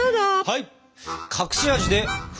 はい！